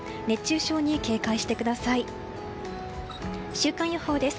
週間予報です。